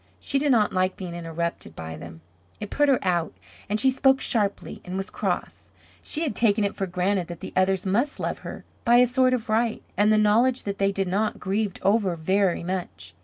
She did not like being interrupted by them, it put her out, and she spoke sharply and was cross. She had taken it for granted that the others must love her, by a sort of right, and the knowledge that they did not grieved over very much.